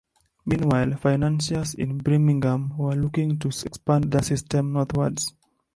Meanwhile, financiers in Birmingham, were looking to expand their system northwards.